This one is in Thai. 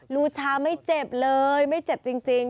ูชาไม่เจ็บเลยไม่เจ็บจริง